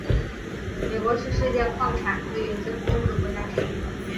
美国是世界矿产资源最丰富的国家之一。